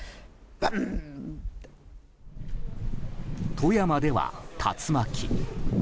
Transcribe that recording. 富山では、竜巻。